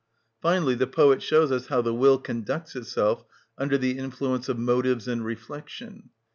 Finally, the poet shows us how the will conducts itself under the influence of motives and reflection.